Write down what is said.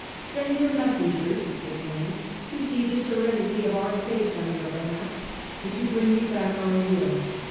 " Send your messengers," it ran, " to see the serenity of our face on your behalf and to bring you back our will."